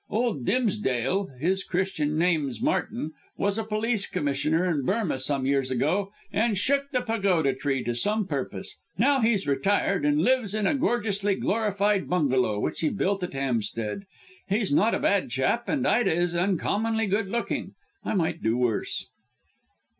Old Dimsdale his Christian name's Martin was a Police Commissioner in Burmah some years ago, and shook the pagoda tree to some purpose. Now he's retired, and lives in a gorgeously glorified bungalow, which he built at Hampstead. He's not a bad chap, and Ida is uncommonly good looking. I might do worse."